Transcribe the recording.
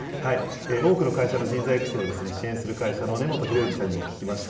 多くの会社の人材育成を支援する会社の根本博之さんにも聞きました。